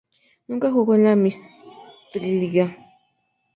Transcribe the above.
Nunca jugó en la Meistriliiga.